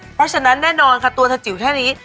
เพราะฉะนั้นแน่นอนค่ะตัวเธอจิ๋วแค่นี้